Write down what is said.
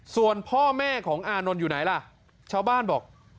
ส่วนพ่อแม่ของอานนท์อยู่ไหนล่ะชาวบ้านบอก